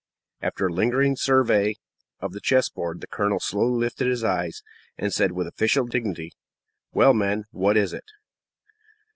After a lingering survey of the chess board, the colonel slowly lifted his eyes, and said with official dignity, "Well, men, what is it?"